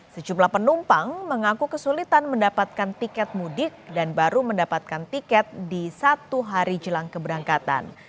sejumlah penumpang mengaku kesulitan mendapatkan tiket mudik dan baru mendapatkan tiket di satu hari jelang keberangkatan